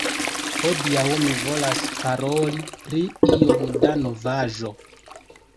Hodiaŭ mi volas paroli pri iom da novaĵo